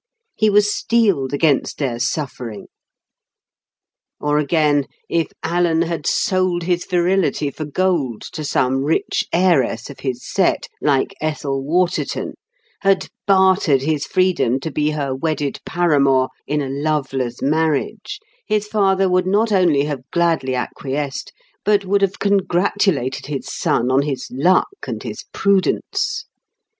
He was steeled against their suffering. Or again, if Alan had sold his virility for gold to some rich heiress of his set, like Ethel Waterton—had bartered his freedom to be her wedded paramour in a loveless marriage, his father would not only have gladly acquiesced, but would have congratulated his son on his luck and his prudence.